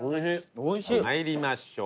参りましょう。